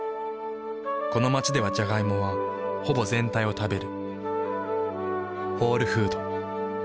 この街ではジャガイモはほぼ全体を食べる。